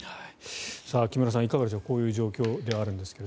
木村さん、いかがでしょうこういう状況ではあるんですが。